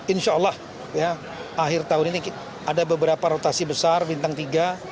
insya allah akhir tahun ini ada beberapa rotasi besar bintang tiga